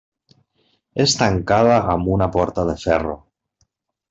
És tancada amb una porta de ferro.